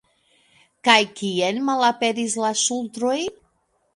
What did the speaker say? Kaj kien malaperis la ŝultroj?